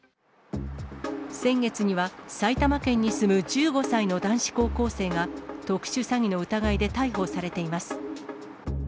先月には、埼玉県に住む１５歳の男子高校生が、特殊詐欺の疑いで逮捕されています。